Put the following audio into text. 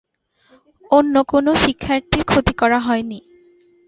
অন্য কোনও শিক্ষার্থীর ক্ষতি করা হয়নি।